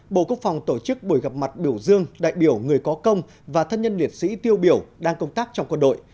bộ quốc phòng tổ chức buổi gặp mặt biểu dương đại biểu người có công và thân nhân liệt sĩ tiêu biểu đang công tác trong quân đội